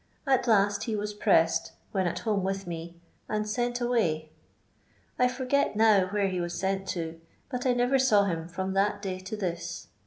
At last he was pressed, when at home with me, and sent away ; I forget now where he was sent to, but I never saw him from that day to this.